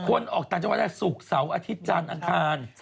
คนออกต่างจากว่าสุขเสาร์อาทิตย์จันทร์อันทาน